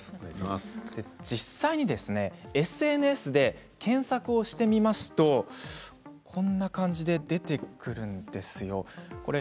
実際にＳＮＳで検索をしてみますとこんな感じで出てくるんです。